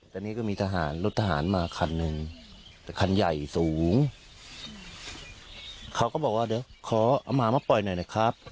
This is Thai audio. แต่นี่ก็มีทหารรถทหารมาคันหนึ่งแต่คันใหญ่สูงเขาก็บอกว่าเดี๋ยวขอเอาหมามาปล่อยหน่อยนะครับ